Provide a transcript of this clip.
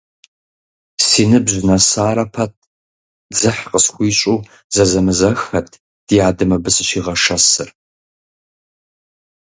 Си ныбжь нэсарэ пэт, дзыхь къысхуищӀу, зэзэмызэххэт ди адэм абы сыщигъэшэсыр.